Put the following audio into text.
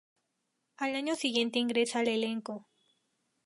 Al año siguiente ingresa al elenco.